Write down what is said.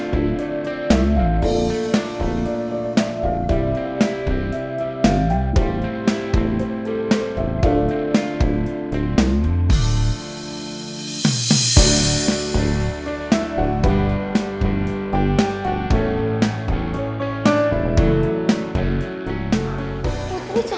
tunggu tunggu tunggu